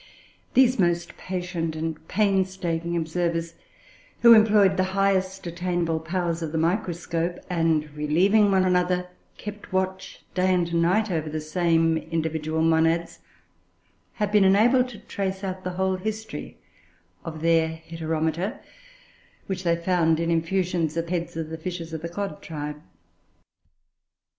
These most patient and painstaking observers, who employed the highest attainable powers of the microscope and, relieving one another, kept watch day and night over the same individual monads, have been enabled to trace out the whole history of their Heteromita; which they found in infusions of the heads of fishes of the Cod tribe.